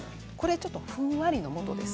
ふんわりのもとです。